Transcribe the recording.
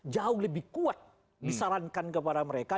jauh lebih kuat disarankan kepada mereka